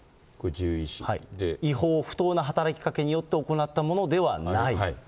違法、不当な働きかけによって行ったものではない。